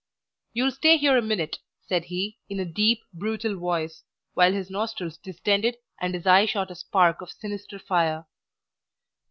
"You'll stay here a minute," said he, in a deep, brutal voice, while his nostrils distended and his eye shot a spark of sinister fire.